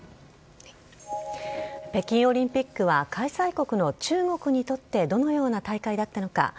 北京オリンピックは開催国の中国にとってどのような大会だったのか。